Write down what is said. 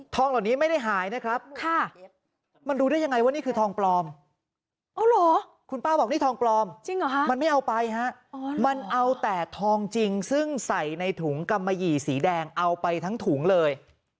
เหล่านี้ไม่ได้หายนะครับมันรู้ได้ยังไงว่านี่คือทองปลอมคุณป้าบอกนี่ทองปลอมจริงเหรอฮะมันไม่เอาไปฮะมันเอาแต่ทองจริงซึ่งใส่ในถุงกำมะหยี่สีแดงเอาไปทั้งถุงเลย